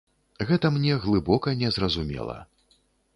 Гэта мне глыбока незразумела.